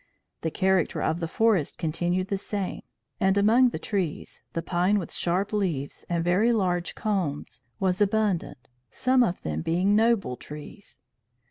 The character of the forest continued the same; and, among the trees, the pine with sharp leaves and very large cones was abundant, some of them being noble trees.